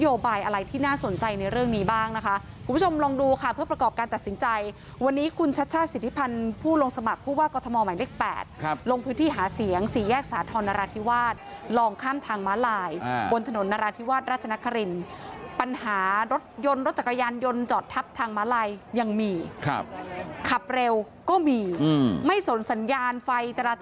โยบายอะไรที่น่าสนใจในเรื่องนี้บ้างนะคะคุณผู้ชมลองดูค่ะเพื่อประกอบการตัดสินใจวันนี้คุณชัชช่าศิษภัณฑ์ผู้ลงสมัครผู้ว่ากฎมใหม่เล็ก๘ลงพื้นที่หาเสียง๔แยกสาธารณ์นราธิวาสลองข้ามทางม้าลายบนถนนนราธิวาสราชนครินปัญหารถยนต์รถจักรยานยนต์จอดทับทางม้าลายยั